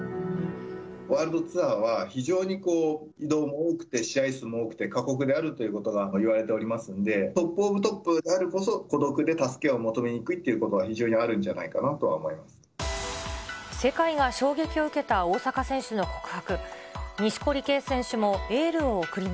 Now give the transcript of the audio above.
ワールドツアーは非常に移動も多くて、試合数も多くて、過酷であるということがいわれておりますんで、トップオブトップであるからこそ、孤独で助けを求めにくいということが非常にあるんじゃないかなと突如、大坂なおみ選手が自身のＳＮＳで発表した、全仏オープン棄権とうつの告白。